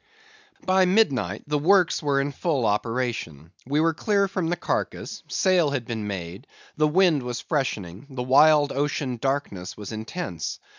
By midnight the works were in full operation. We were clear from the carcase; sail had been made; the wind was freshening; the wild ocean darkness was intense.